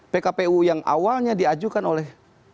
pkpu yang awalnya diajukan oleh